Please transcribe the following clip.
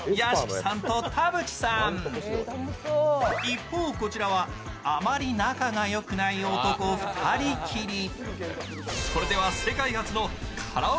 一方、こちらはあまり仲のよくない男、２人きり。